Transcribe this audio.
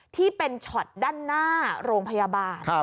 ที่เป็นช็อตด้านหน้าโรงพยาบาล